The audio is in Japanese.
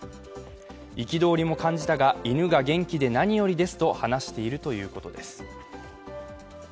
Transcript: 憤りも感じたが、犬が元気で何よりですと話しているということです。